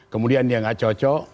kemudian dia gak cocok